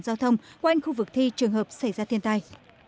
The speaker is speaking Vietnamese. giao thông quanh khu vực thi trường hợp xảy ra thiên tai